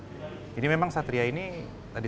jadi memang satria ini tadi